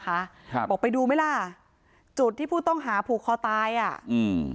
ครับบอกไปดูไหมล่ะจุดที่ผู้ต้องหาผูกคอตายอ่ะอืม